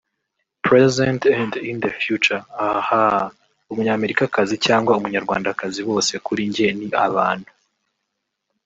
present and in the future…Ahhahah umunyamerikakazi cyangwa umunyarwandakazi bose kuri njye ni abantu